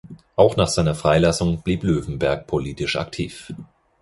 Auch nach seiner Freilassung blieb Löwenberg politisch aktiv.